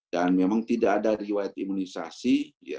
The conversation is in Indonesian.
dan memang tidak ada riwayat imunisasi